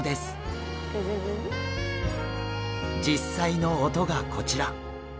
実際の音がこちら。